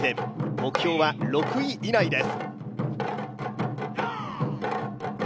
目標は６位以内です。